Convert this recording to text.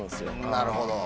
なるほど。